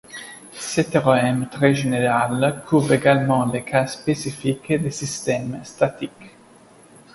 Ce théorème très général couvre également le cas spécifique des systèmes statiques.